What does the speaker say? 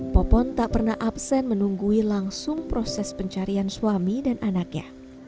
popon tak pernah absen menunggui langsung proses pencarian suami dan anaknya